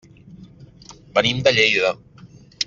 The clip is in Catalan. Venim de Lleida.